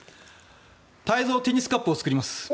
タイゾーテニスカップを作ります。